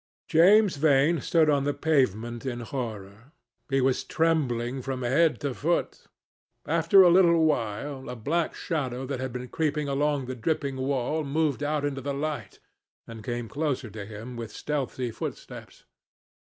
James Vane stood on the pavement in horror. He was trembling from head to foot. After a little while, a black shadow that had been creeping along the dripping wall moved out into the light and came close to him with stealthy footsteps.